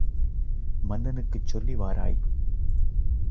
மன்னனுக்குச் சொல்லி வாராய்!